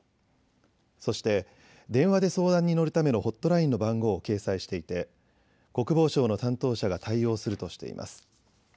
そして電話で相談に乗るためのホットラインの番号を掲載していて国防省の担当者が対応するとしています。